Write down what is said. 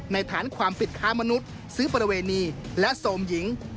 ฐานความผิดค้ามนุษย์ซื้อประเวณีและโซมหญิง